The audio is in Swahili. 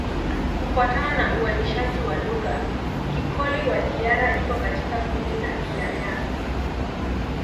Kufuatana na uainishaji wa lugha, Kikoli-Wadiyara iko katika kundi la Kiaryan.